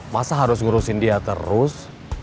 masa harus ngurusin dia terus